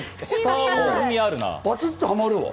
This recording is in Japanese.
パチッとはまるわ。